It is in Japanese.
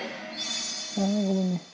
ごめんね。